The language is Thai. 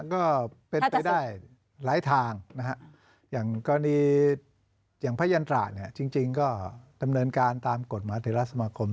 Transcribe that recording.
ก็เป็นไปได้หลายทางอย่างพระยันตราจริงก็ทำเนินการตามกฎมหาเทราสมคม